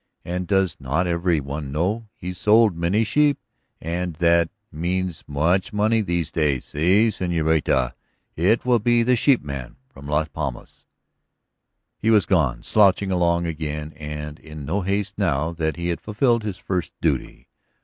And does not every one know he sold many sheep and that means much money these days? Si, señorita; it will be the sheepman from Las Palmas." He was gone, slouching along again and in no haste now that he had fulfilled his first duty.